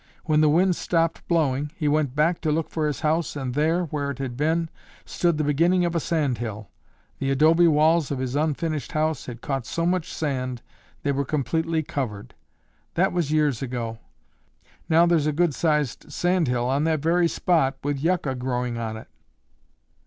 When the wind stopped blowing, he went back to look for his house and there, where it had been, stood the beginning of a sand hill. The adobe walls of his unfinished house had caught so much sand, they were completely covered. That was years ago. Now there's a good sized sand hill on that very spot with yucca growing on it."